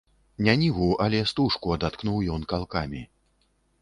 Не ніву, але істужку адаткнуў ён калкамі.